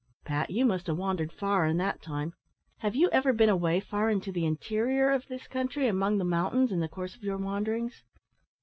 Pat, you must have wandered far in that time. Have you ever been away far into the interior of this country, among the mountains, in the course of your wanderings!"